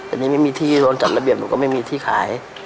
อันนี้ไม่มีที่โดนจัดระเบียบหนูก็ไม่มีที่ขาย